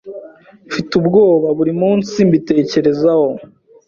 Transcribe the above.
Mfite ubwoba buri munsi mbitekerezaho